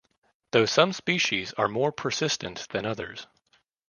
Though some species are more persistent than others.